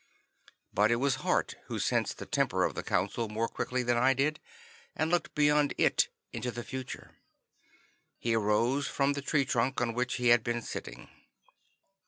But it was Hart who sensed the temper of the Council more quickly than I did, and looked beyond it into the future. He arose from the tree trunk on which he had been sitting.